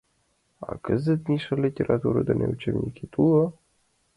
А кызыт, Миша, литература дене учебникет уло?